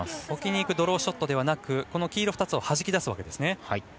置きにいくドローショットではなく黄色２つをはじき出すんですね。